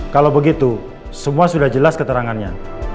kalau begitu semua sudah jelas keterangannya